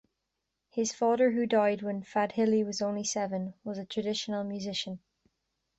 His father, who died when Fadhili was only seven, was a traditional musician.